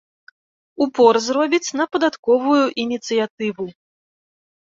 Упор зробіць на падатковую ініцыятыву.